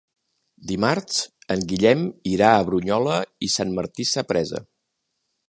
Dimarts en Guillem irà a Brunyola i Sant Martí Sapresa.